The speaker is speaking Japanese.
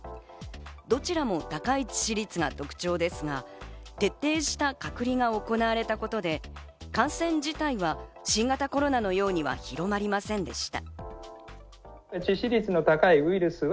どちらも高い致死率が特徴ですが、徹底した隔離が行われたことで感染自体は新型コロナのようには広がりませんでした。